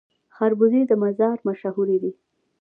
خربوزې د مزار مشهورې دي